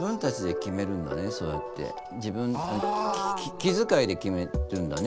気づかいできめるんだね。